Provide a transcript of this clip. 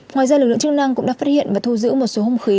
ngoài ra lực lượng chức năng cũng đã phát hiện và thu giữ một số hung khí